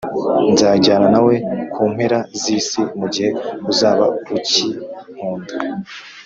nzajyana nawe ku mpera z’isi mu gihe uzaba uki nkunda